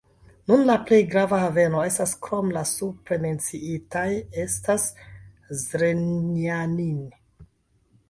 Nun la plej grava haveno estas krom la supre menciitaj estas Zrenjanin.